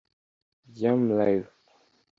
‘Yam Live’